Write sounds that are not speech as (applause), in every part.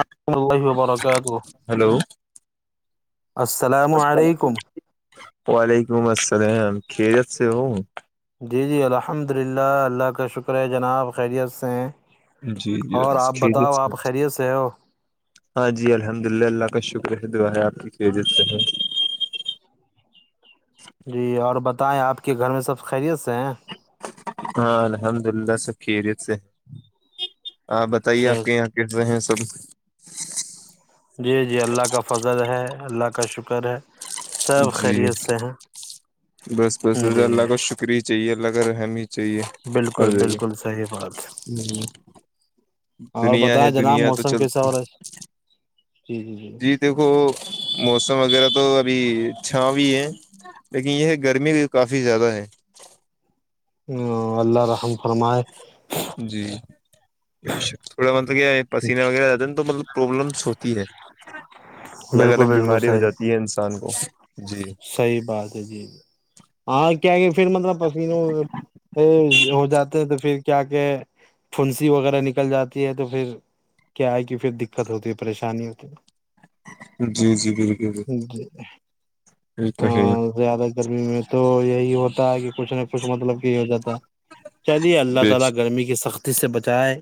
الحم اللہ وبرکاتہ ہلو السلام السلام علیکم وعلیکم السلام خیرت سے ہو جی جی الحمد للہ اللہ کا شکر ہے جناب خیریت سے ہیں جی جی اور بس آپ خیریت بتاؤ سے آپ خیریت سے ہو ہاں جی الحمد للہ اللہ کا شکر ہے دعا ہے آپ کی عت سے ہے جی اور بتائیں آپ کے گھر میں سب خیریت سے ہیں ہاں الحمد للہ سب خیریت سے آپ بتائیے اچھا آپ کے اچھا، یہاں کل رہے ہیں سب جی جی اللہ کا فضل ہے اللہ کا شکر ہے سب جی خیریت سے ہیں بس بس رض اللہ جی کا شکریہ چاہیے اللہ کرحمی ہی چاہیے ہو بالکل جے بالکل صحیح بات اور دنیا ہے بتائیں جناب دنیا تو موسم چل کیسا ہو رہا ہے جی دیک موسم وغیرہ تو اھی چھا بھی ہے لیکن یہ گرمی بھی کافی زیادہ ہے اللہ رحم فرمائے جی تھوڑا مطلب کیا پسنےہ وغیرہ زیاد نہیں تو مطلب پرابلمس ہوتی ہے الگ الگ بیماری ہو جاتی ہے انسان کو جی صحی بات ہے جی ج ہاں کیا کہ پھر مطلب پسینہ ہو جاتے ہیں تو پھر کیا کہ پھنسی وغیرہ نکل جاتی ہے تو پھر کیا آئے کی پھر دقت ہوتی ہے پریشانی ہوتی ہے جی جی بالکل بالکل جی یہ ا تو ہے زیادہ گرمی میں تو یہی ہوتا ہے کہ کچھ نہ کچھ مطلب چلیے اللہ بیش تعالی گرمی کی سختی سے بچائے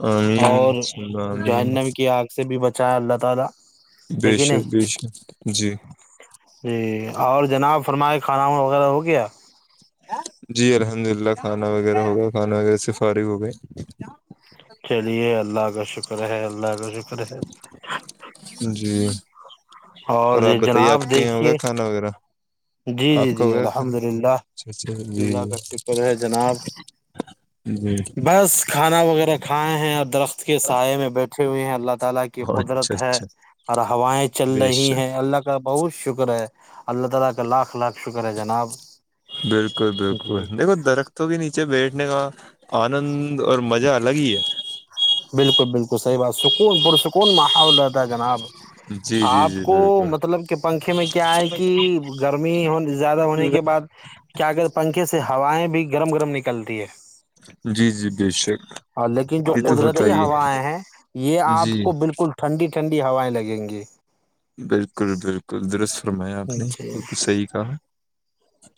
امین سامین جواہنم کی آگ سے بھی بچایا اللہ تعالی بے ہے کہ نہیں شک بے شک جی جی اور جناب فرما کھانا وانا وغیرہ ہو گیا جی الحمد للہ کھانا وغیرہ ہوگا کھانا وغیرہ سے فارغ ہو گئے چلیے اللہ کا شکر ہے اللہ کا شکر ہے جی اور آپ بتائیے جناب آپ کہ یہ ہوگا دیکھیے کھانا وغیرہ جی آپ جی کا ہو جی گ الحمد کھانا للہ اچ اچھا جی اللہ کا شکر ہے جناب جی بس کھانا وغیرہ کھائے ہیں اور درخت کے سائے میں بیٹھے ہوئے ہیں اللہ تعالی کی اچھا قدرت ہے اچھا چل بے رہی ہے شک اللہ کا بہت شکر ہے اللہ تعالی کا لاکھ لاکھ شکر ہے جناب بالکل بالکل جی دیکھو درخت تو بھی نیچے بیٹھنے کا آنند اور مزہ الگ ہی ہے بالکل بالکل صحیح بات سکون پرسکون ماحول رہتا ہے جناب جی جی آپ جی کو بالکل مطلب کہ پنکھے میں کیا ہے کہ گرمی ہو زیادہ ہونے کے بعد کیا کرگر پنکھے سے ہوائیں بھی گرم گرم نکلتی ہے جی جی بے شک ہاں لیکن جو یہ تو ہوتا قدرتی ہی ہے ہوائیں ہیں یہ جی آپ کو بالکل ٹھنڈی ٹھنڈی ہوائیں لگیں گی بالکل بالکل درست فرمایا آپ نے جی بالکھ صحیح کہا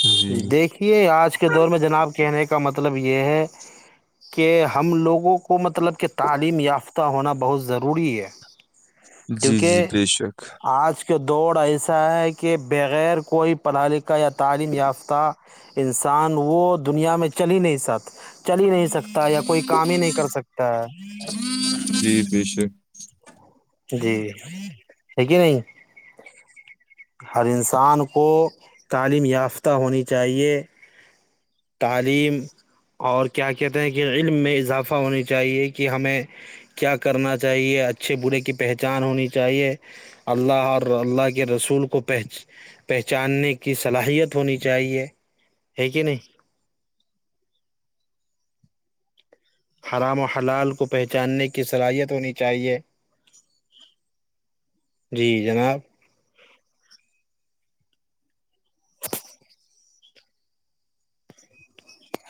جی دیکھیے آج کے دور میں جناب کہنے کا مطلب یہ ہے کہ ہم لوگوں کو مطلب کہ تعلیم یافتہ ہونا بہت ضروری ہے جی جی کیونکہ بے شک آج کہ دوڑ ایسا ہے کہ بغیر کوئی پڑھا لکھا یا تعلیم یاف تھا انسان وہ دنیا میں چل ہی نہیں سک چل ہی نہیں سکتا ستا یا کوئی کام ہی نہیں کر سکتا ہے جی جی شک جی ہےیک نہیں ہر انسان کو تعلیم یافتہ ہونی چاہیے تعلیم اور کیا کہتے ہیں کہ علم میں اضافہ ہونی چاہیے کہ ہمیں کیا کرنا چاہیے اچھے برے کی پہچان ہونی چاہیے اللہ اور اللہ کے رسول کو پہچ پہچاننے کی صلاحیت ہونی چاہیے ہے کہ نہیں حرام و حلال کو پہچاننے کی صلاحیت ہونی چاہیے جی جناب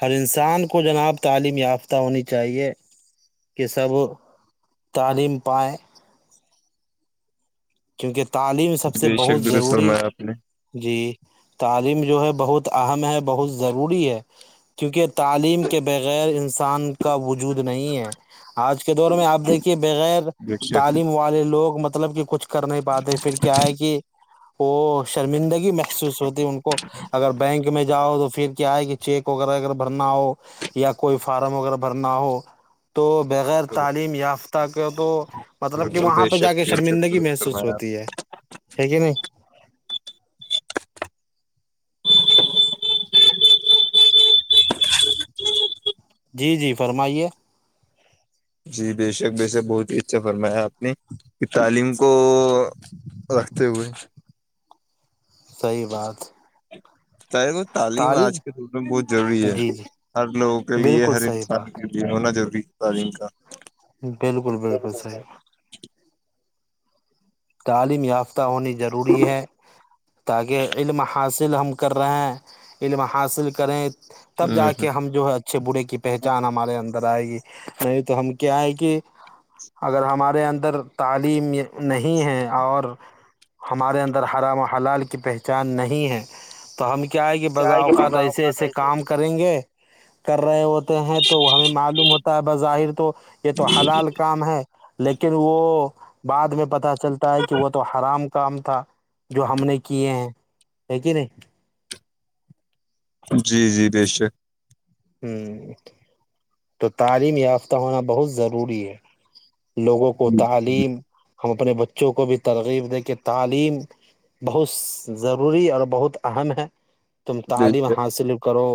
ہر انسان کو جناب تعلیم یافتہ ہونی چاہیے کہ سب تعلیم پائے کیونکہ تعلیم سب سے بے شک بہت درست ضروری فرمایا آپ نے جی تعلیم جو ہے بہت اہم ہے بہت ضروری ہے کیونکہ تعلیم کے بغیر انسان کا وجود نہیں ہے آج کے دور میں آپ دیکھیے بغیر بے شک تعلیم والے لوگ مطلب کہ کچھ کر نہیں پاتے پھر کیا ہے کہ وہ شرمندگی محسوس ہوتی ہے ان کو اگر بینک میں جاؤ تو پھر کیا ہے کہ چیک وغیرہ اگر بھرنا ہو یا کوئی فارم وغیرہ بھرنا ہو تو بغیر تعلیم یافتہ کے تو مطلب کہ بالکل وہاں بے پہ جا شک کے بے شک شرمندگی درست میں س فرمایا سوتی ہے کہ نہیں جی جی فرمائیے جی بے شک ویسک بہت ہی اچھا فرمایا آپ نے کہ تعلیم کو رکھتے ہوئے صحی بات ساہ کو تعلیم آج کے دور میں بہت ضروری ہے جی جی ہر لوگوں کے لیے بالکل ہر صحیح انسان بات کے یہ ہونا ضروری ہے تعلیم کا بالکل بالکل صح تعلیم یافتہ ہونی ضروری ہے تاکہ علم حاصل ہم کر رہے ہیں علم حاصل کریں تو تب جا کا کے ہم جو ہے اچھے برھے کی پہچان ہمارے اندر آئے گی نہیں تو ہم کیا ہے کہ اگر ہمارے اندر تعلیم نہیں ہیں اور ہمارے اندر ہرام و حلال کی پہچان نہیں ہے تو ہم کیا ہے کہ بض اوقات ایسے ایسے کام کریں گے کر رہے ہو ہیں تو ہمیں معلوم ہوتا ہے بظاہر تو یہ تو حلال کام ہے لیکن وہ بعد میں پتہ چلتا ہے کہ وہ تو حرام کام تھا جو ہم نے کیے ہیں یک ہی نہیں جی جی بے شک ہوں تو تعلیم یافتہ ہونا بہت ضروری ہے لوگوں کو تعلیم ہم اپنے بچوں کو بھی ترغیب دے کے تعلیم بہت ضروری اور بہت اہم ہے تم بے تعلیم شک حاصل کرو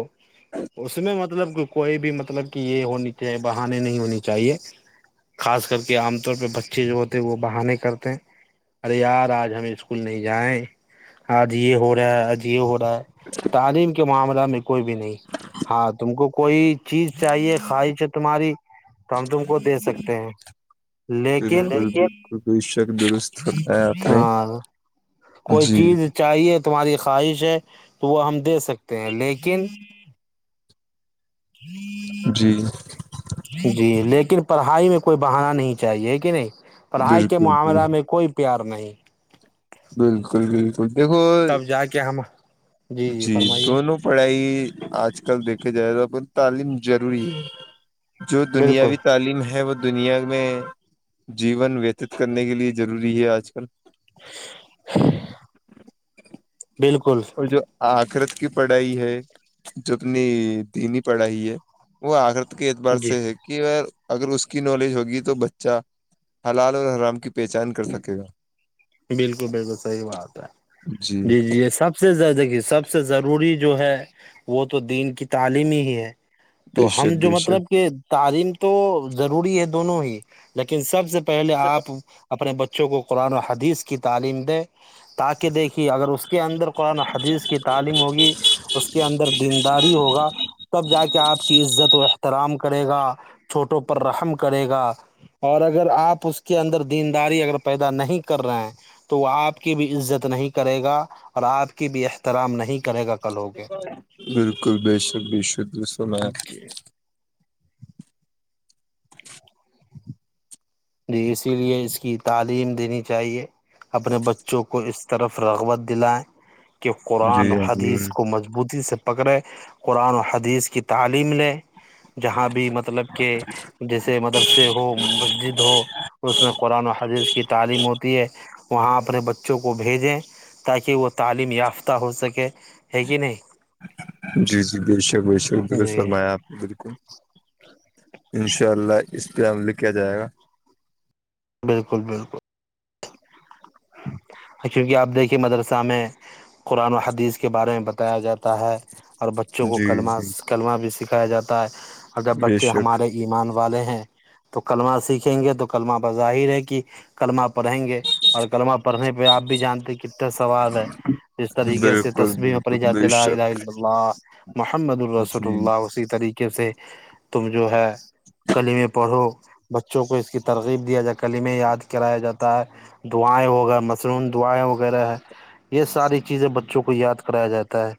اس میں مطلب کوئی بھی مطلب کہ یہ ہونی چاہیے بہانے نہیں ہونی چاہیے خاص کر کے عام طور پہ بچے جو ہوتے ہیں وہ بہانے کرتے ہیں ارے یار آج ہم اسکول نہیں جائائے آج یہ ہو رہا ہے آج یہ ہو رہا ہے (unintelligible) تعلیم کے معاملہ میں کوئی بھی نہیں ہاں تم کو کوئی چیز چاہیے خواہش تمہاری تو ہم تم کو دے سکتے ہیں لیکن بالکل بالکل بے شک درست فرمایا آپ نے ہاں کوئی جی چیز چاہیے تمہاری خواہش ہے تو وہ ہم دے سکتے ہیں لیکن جی جی لیکن پڑھائی میں کوئی بہانا نہیں چاہیے کہ نہیں پڑھائی کے بالکل بالکل معاملہ میں کوئی پیار نہیں بالکل بالکل دیکھو کیامہ جی دونوں پڑھائی آج کل دیکھا جائے توا تعلیم ضروری ہے جو بالکل دنیاوی تعلیم ہے وہ دنیا میں جیون ویتت کرنے کے لیے ضروری ہے آج کل (inaudible) بالکل اور جو آخرت کی پڑھائی ہے جو اپنی دینی پڑھائی ہے وہ آخرت کے اعتبار جی سے ہے کہ اگر اس کی نالج ہوگی تو بچہ حلال اور حرام کی پہچان کر سکے گا بالکل بالکل صحیح بات ہے جی جی یہ سب سے دیکے سب سے ضرور پوری جو ہے وہ تو دین کی تعلیم ہی ہی ہے بے تو ہم شک جو بے شک مطلب کہ تعلیم تو ضروری ہے دونوں ہی لیکن سب سے پہلے آپ اپنے بچ بچوں کو قرآن و حدیث کی تعلیم دے تاکہ دیکھیے اگر اس کے اندر قرآن حدیث کی تعلیم ہوگی اس کے اندر دینداری ہوگا تب جا کے آپ کی عزت و احترام کر گا چھوٹوں پر رحم کرے گا اور اگر آپ اس کے اندر دینداری اگر پیدا نہیں کر رہے ہیں تو وہ آپ کی بھی عزت نہیں کرے گا اور آپ کے بھی احترام نہیں کرے گا کل ہو بالکل بے شک بی شک بھی سنا کے جی اسی لیے اس کی تعلیم دینی چاہیے اپنے بچوں کو اس طرف رغبت دلائیں کہ جی قرآن و حدیث امین کو مضبوطی سے پکڑے قرآن و حدیث کی تعلیم لیں جہاں بھی مطلب کہ جیسے مدرسے ہو مسجد اس میں قرآن حدیث کی تعلیم ہوتی ہے وہاں اپنے بچوں کو بھیجیں تاکہ وہ تعلیم یافتہ ہو سکے ہے کہ نہیں جی جی بالکل بے شک بالکل بے شک بالکل صحیح جی فرمایا آپ بالکل ان شاء اللہ اس پہ عمل کیا جائے گا بالکل بالکل چونکہ آپ دیکھیے مدرسہ میں قرآن و حدیث کے بارے میں بتایا جاتا ہے اور بچوں کو جی کلمہ جی کلمہ بھی سکھایا جاتا ہے اور جب بے بچے شک ہمارے ایمان والے ہیں تو کلمہ سیکھیں گے تو کلمہ بظاہر ہے کہ کلمہ پڑھیں گے اور کلمہ پڑھنے پہ آپ بھی جانتے کتنا سوال ہے اس طریقے سے بالکل تصویرح میں پڑلی بالکل جاتی بے ہے شک اللہ محمد الرسول جی اللہ اسی طریقے سے تم جو ہے کلیمے پڑھو بچوں کو اس کی ترغیب دیا جائے کلیمے یاد کرایا جاتا ہے دعائیں ہو گا مشروم دعائیں وغیرہ ہے یہ ساری چیزیں بچوں کو یاد کرایا جاتا ہے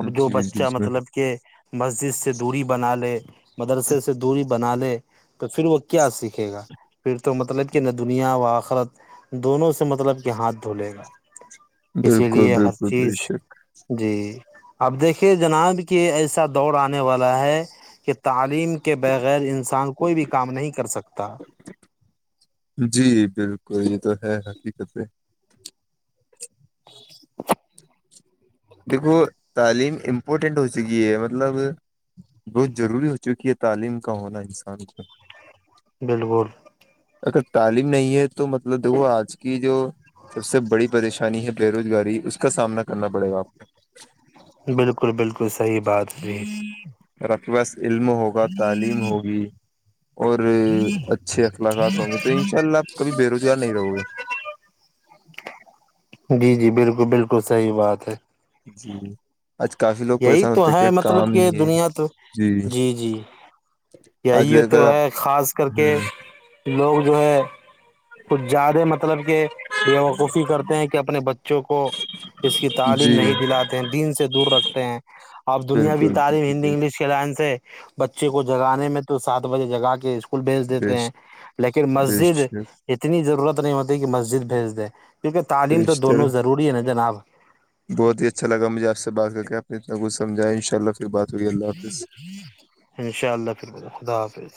اب جو جی جی بچہ جی مطلب کہ مسجد سے دوری بنا لے مدرسے سے دوری بنا لے تو پھر وہ کیا سیکھے گا پھر تو مطلب کہ نہ دنیا و آخرت دونوں سے مطلب کہ ہاتھ دھولے گا اسی بالکل لیے ہر بالکل چیز بے شک جی اب دیکھیے جناب کہ ایسا دور آنے والا ہے کہ تعلیم کے بغیر انسان کوئی بھی کام نہیں کر سکتا جی بالکل یہ تو ہے حقیقتیں (unintelligible) دیکھو تعلیم امپورٹینٹ ہو چکی ہے مطلب بہت ضروری ہو چکی ہے تعلیم کا ہونا انسان کا بالکل اگر تعلیم نہیں ہے تو مطلب دیکو آج کی جو سب سے بڑی پریشانی انی ہے بے روزگاری اس کا سامنا کرنا پڑے گا آپ بالکل بالکل صحیح بات تی رقوص علم ہوگا تعلیم ہوگی اور اچھے اخلاقات ہوں گے تو ان شاء اللہ آپ کبھی بے روزگار نہیں رہو گے جی جی بالکل بالکل صحیح بات ہے جی آج کافی لوگ یہی پریشان تو ہوتے ہے کہ مطلب کام کہ نہیں دنیا تو جی جی آج یہی لے کر تو آپ ہے خاص کر کے ہ لوگ جو ہے کچھ زیادہ مطلب کہ بیوقوفی کرتے ہیں کہ اپنے بچوں کو اس کی تعلیم جی نہیں دلاتے ہیں دین سے دور رکھتے ہیں اب دنیاوی بالکل تعلیم ہندی انگلش لائن سے بچے کو جگانے میں تو سات بجے جگا کے اسکول بھیج دیتے ہیں لیکن مسجد اتنی ضرورت نہیں ہوتی کہ مسجد بھیج دے کیونکہ تعلیم تو چل دونوں ضروری ہے نا جناب بہت ہی اچھا لگا مجھے آ سے بات کر کےپ نے اتنا کچھ سمجھایں ان شاء اللہ پھر بات ہوگئی اللہ حاظ (inaudible) انشاء اللہ پھر خدا حافظ